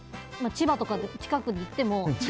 千葉とか近くに行っても。